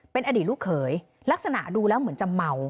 เป็นอดีตลูกเขยลักษณะดูแล้วเหมือนจะเมา